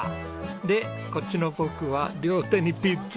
でこっちの僕は両手にピッツァ。